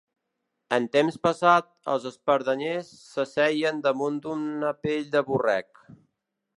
En temps passat els espardenyers s’asseien damunt d’una pell de borrec.